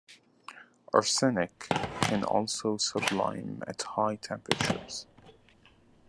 Arsenic can also sublime at high temperatures.